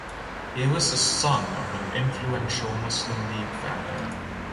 He was the son of an influential Muslim League family.